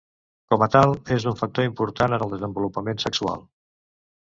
Com a tal, és un factor important en el desenvolupament sexual.